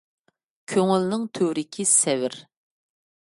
كۆڭۈلنىڭ تۆۋرۈكى سەۋر.